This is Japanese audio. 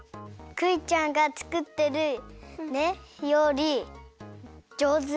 クイちゃんがつくってるりょうりじょうず！